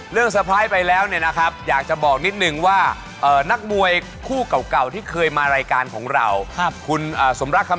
เตอร์ไพรส์ไปแล้วเนี่ยนะครับอยากจะบอกนิดนึงว่านักมวยคู่เก่าที่เคยมารายการของเราคุณสมรักคำ